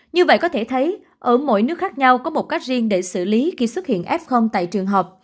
như vậy có thể thấy ở mỗi nước khác nhau có một cách riêng để xử lý khi xuất hiện f tại trường học